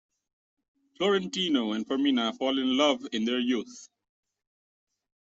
Florentino and Fermina fall in love in their youth.